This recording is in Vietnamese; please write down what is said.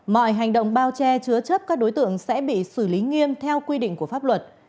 mọi hành động bao che chứa chấp các đối tượng sẽ bị xử lý nghiêm theo quy định của pháp luật